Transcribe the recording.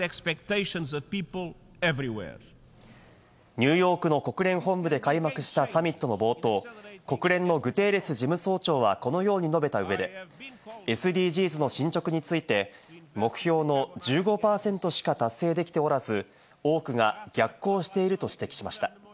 ニューヨークの国連本部で開幕したサミットの冒頭、国連のグテーレス事務総長はこのように述べた上で、ＳＤＧｓの進捗について、目標の１５％しか達成できておらず、多くが逆行していると指摘しました。